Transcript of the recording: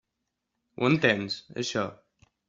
Ho entens, això?